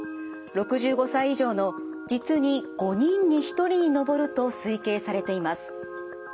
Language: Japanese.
６５歳以上の実に５人に１人に上ると推計されています。